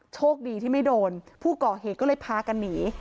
โชคดีที่ไม่โดนผู้ก่อเหตุก็เลยพากันหนี